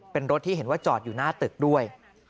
เป็นรถที่เห็นว่าจอดอยู่หน้าตึกด้วย